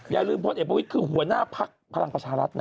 อย่าลืมพไอบวิทย์คือหัวหน้าพลักษณ์พลังประชารัฐนะ